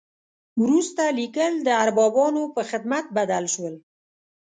وروسته لیکل د اربابانو په خدمت بدل شول.